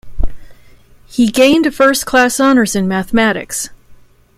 He gained a First Class Honours in Mathematics.